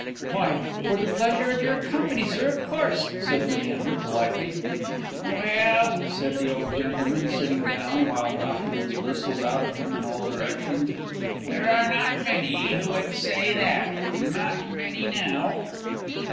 "Why, for the pleasure of your company, sir, of course," said Leander, politely. "Well," said the old gentleman, sitting down, while documents bristled out of him in all directions, "there are not many who would say that not many now."